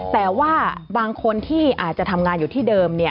แต่ว่าบางคนที่อาจจะทำงานอยู่ที่เดิม